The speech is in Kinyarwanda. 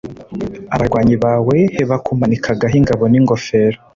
abarwanyi bawe Bakumanikagaho ingabo n ingofero